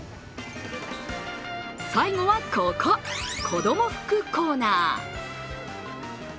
最後はここ、子供服コーナー。